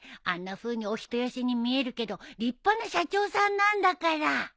あんなふうにお人よしに見えるけど立派な社長さんなんだから。